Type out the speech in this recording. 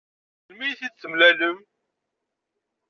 Melmi i t-id-mlalen?